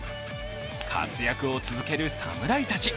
活躍を続ける侍たち。